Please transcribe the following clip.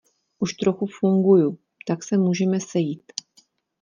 Už trochu funguju, tak se můžeme sejít.